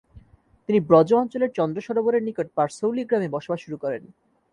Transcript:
তিনি ব্রজ অঞ্চলের চন্দ্রসরোবরের নিকট পারসৌলী গ্রামে বসবাস শুরু করেন।